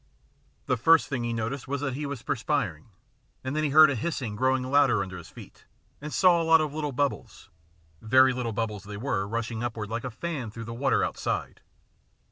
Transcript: The first thing he noticed was that he was per spiring, and then he heard a hissing growing louder IN THE ABYSS 83 under his feet, and saw a lot of little bubbles very little bubbles they were rushing upward like a fan through the water outside.